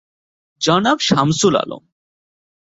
জনাব সামসুল আলম।